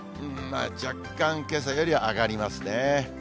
若干けさよりは上がりますね。